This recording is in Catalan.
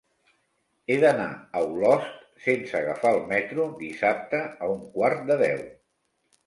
He d'anar a Olost sense agafar el metro dissabte a un quart de deu.